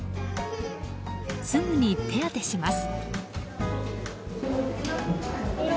すぐに手当てします。